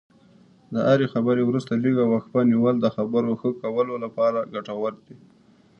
د هرې خبرې وروسته لږه وقفه نیول د خبرو ښه کولو لپاره ګټور دي.